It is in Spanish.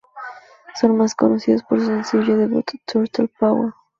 Son más conocidos por su sencillo debut, "Turtle Power!